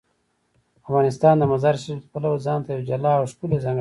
افغانستان د مزارشریف د پلوه ځانته یوه جلا او ښکلې ځانګړتیا لري.